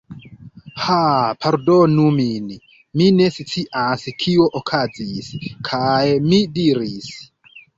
Haa... pardonu min... mi ne scias kio okazis. kaj mi diris: